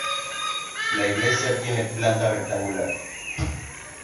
La iglesia tiene planta rectangular.